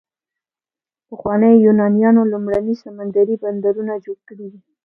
پخوانیو یونانیانو لومړني سمندري بندرونه جوړ کړي دي.